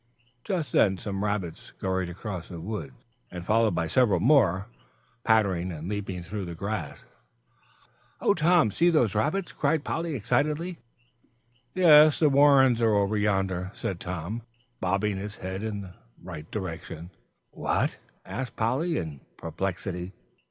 Just then some rabbits scurried across the wood, followed by several more pattering and leaping through the grass. "Oh, Tom, see those rabbits!" cried Polly, excitedly. "Yes, the warrens are over yonder," said Tom, bobbing his head in the right direction. "What?" asked Polly, in perplexity.